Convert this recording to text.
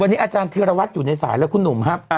วันนี้อาจารย์ธีรวัตรอยู่ในสายและคุณหนุ่มครับ